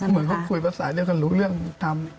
เหมือนเขาคุยภาษาเรื่องกันรู้เรื่องทำ